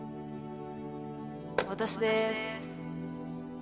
私です。